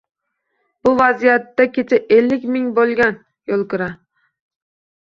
Bu vaziyatda kecha ellik ming bo‘lgan yo‘lkira